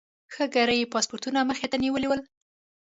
ښه ګړی یې پاسپورټونه مخې ته نیولي ول.